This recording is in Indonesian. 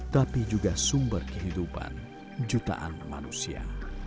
tapi juga sumber kehidupan jutaan manusia